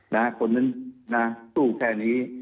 นะเค้าท่านสู้แค่นี้